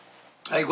はい。